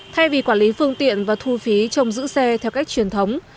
thay vì quản lý phương tiện và thu phí trong giữ xe theo cách truyền thống